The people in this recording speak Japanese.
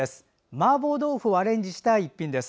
マーボー豆腐をアレンジした一品です。